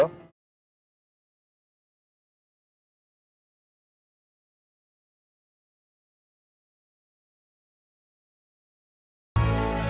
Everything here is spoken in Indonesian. kamu siap bu